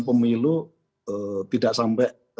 pemilu tidak sampai